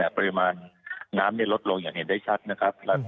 ปริมาณน้ำลดลงอย่างเห็นได้ชัด